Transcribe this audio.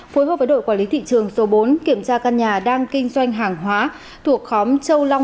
phối hợp với đội quản lý thị trường số bốn kiểm tra căn nhà đang kinh doanh hàng hóa thuộc khóm châu long